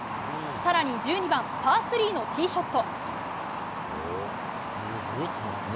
更に１２番パー３のティーショット。